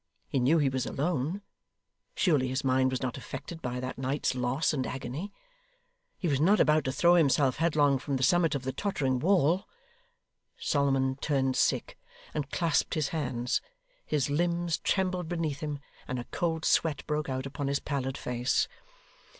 He knew he was alone. Surely his mind was not affected by that night's loss and agony. He was not about to throw himself headlong from the summit of the tottering wall. Solomon turned sick, and clasped his hands. His limbs trembled beneath him, and a cold sweat broke out upon his pallid face.